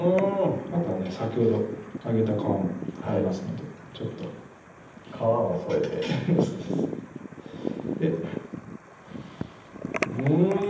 あとはね先ほど揚げた皮もありますのでちょっと皮も添えてそうですでうん！